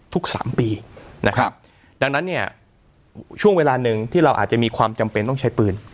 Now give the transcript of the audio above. สามปีนะครับดังนั้นเนี่ยช่วงเวลาหนึ่งที่เราอาจจะมีความจำเป็นต้องใช้ปืน